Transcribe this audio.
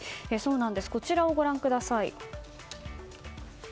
こちらをご覧ください。